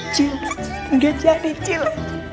cil nggak jadi cil